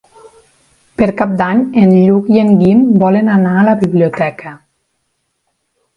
Per Cap d'Any en Lluc i en Guim volen anar a la biblioteca.